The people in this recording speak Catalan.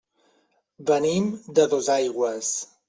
Venim de Dosaigües.